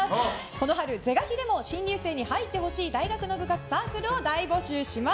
この春是が非でも新入生に入ってほしい大学の部活・サークルを大募集します。